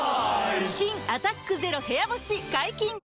新「アタックＺＥＲＯ部屋干し」解禁‼